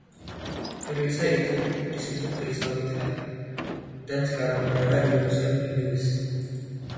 Perisai itu disebut Perisai Witham dan sekarang berada di Museum Inggris.